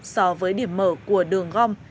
so với điểm mở của đường gom